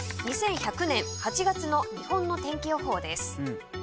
２１００年８月の日本の天気予報です。